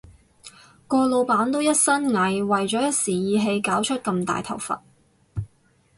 個老闆都一身蟻，為咗一時意氣搞出咁大頭佛